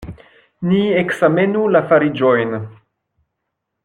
Ni ekzamenu la fariĝojn.